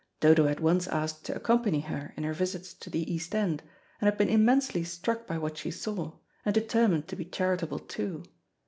Dodo had once asked to accompany her in her visits to the East End, and had been immensely struck by what she saw, and determined to be charitable too.